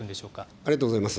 ありがとうございます。